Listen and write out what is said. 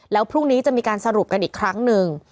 แล้วพรุ่งนี้จะมีการสรุปกันอีกครั้งหนึ่ง